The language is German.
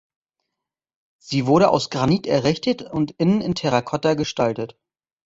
Sie wurde aus Granit errichtet und innen in Terracotta gestaltet.